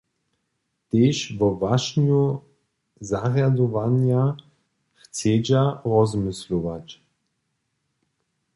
Tež wo wašnju zarjadowanja chcedźa rozmyslować.